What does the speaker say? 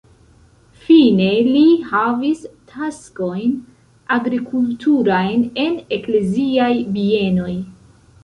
Fine li havis taskojn agrikulturajn en ekleziaj bienoj.